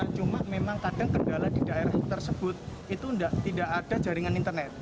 cuma memang kadang kendala di daerah tersebut itu tidak ada jaringan internet